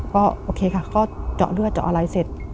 ก็โอเคค่ะก็เจาะเลือดเจาะอะไรเสร็จ